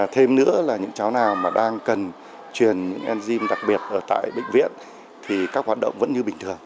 thêm nữa là những cháu nào mà đang cần truyền những enzym đặc biệt ở tại bệnh viện thì các hoạt động vẫn như bình thường